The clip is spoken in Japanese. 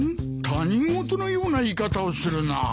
他人ごとのような言い方をするなあ。